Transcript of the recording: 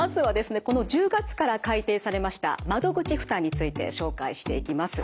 この１０月から改定されました窓口負担について紹介していきます。